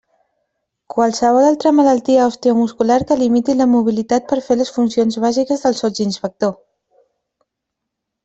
Qualsevol altra malaltia osteomuscular que limiti la mobilitat per fer les funcions bàsiques del sotsinspector.